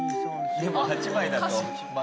でも８枚だと。